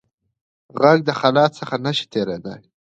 غږ د خلا څخه نه شي تېرېدای.